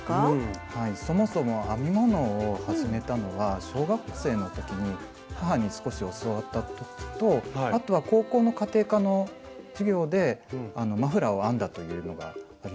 はいそもそも編み物を始めたのは小学生の時に母に少し教わった時とあとは高校の家庭科の授業でマフラーを編んだというのがあります。